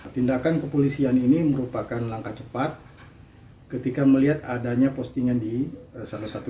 tindakan kepolisian ini merupakan langkah cepat ketika melihat adanya postingan di salah satu